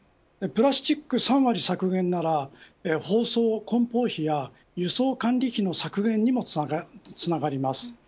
プラスチック３割削減なら包装、梱包費や輸送管理費の削減にもつながります。